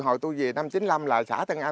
hồi tôi về năm trăm chín mươi năm là xã tân an